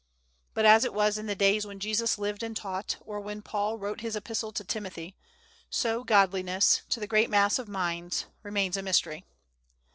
But as it was in the days when Jesus lived and taught, or when Paul wrote his Epistle to Timothy, so Godliness, to the great mass of minds, remains a mystery.